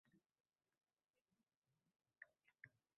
Yoshlar ijod saroyida Kinematografiya agentligi tomonidan